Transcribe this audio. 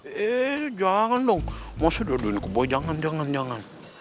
eh jangan dong maksudnya udah duit gue boy jangan jangan jangan